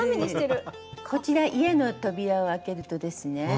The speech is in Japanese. こちら家の扉を開けるとですね